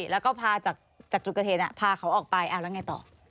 แล้วก็พาจากจุดเกิดเหตุพาเขาออกไปแล้วไงต่อ